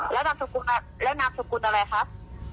แล้วสำคัญครับแล้วนามสกุลอะไรครับ